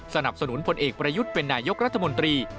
สนับสนุนพลเอกประยุทธ์เป็นนายกรัฐมนตรี